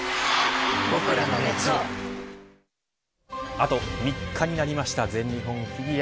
あと３日になりました全日本フィギュア。